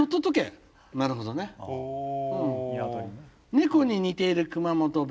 「猫に似ている熊本弁。